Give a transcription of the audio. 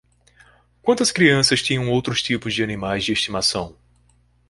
Quantas crianças tinham outros tipos de animais de estimação?